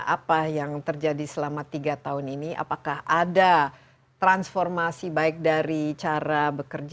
ya ini bagaimana apa yang terjadi selama tiga tahun ini apakah ada transformasi baik dari cara bekerja maupun dari jumlah nasabah